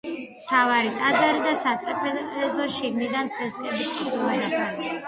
მთავარი ტაძარი და სატრაპეზო შიგნიდან ფრესკებით ყოფილა დაფარული.